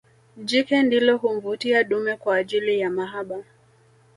Jike ndilo humvutia dume kwaajili ya mahaba